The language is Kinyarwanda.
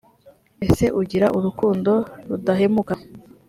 ese ugira urukundo rudahemuka?